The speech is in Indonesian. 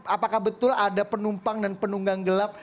apakah betul ada penumpang dan penunggang gelap